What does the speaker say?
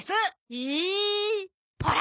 ええ。ほら！